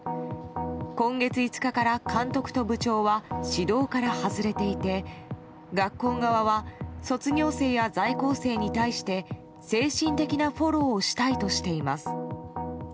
今月５日から監督と部長は指導から外れていて学校側は卒業生や在校生に対して精神的なフォローをしたいとしています。